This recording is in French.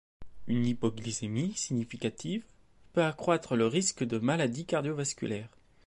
Une hypoglycémie significative peut accroître le risque de maladie cardiovasculaire.